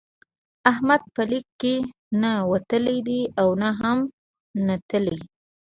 احمد به لیک کې نه وتلی دی او نه هم نتلی.